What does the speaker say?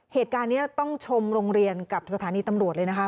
เหตุการณ์นี้ต้องชมโรงเรียนกับสถานีตำรวจเลยนะคะ